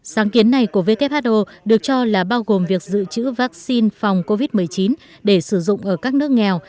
sáng kiến này của who được cho là bao gồm việc giữ chữ vaccine phòng covid một mươi chín để sử dụng ở các nước nghèo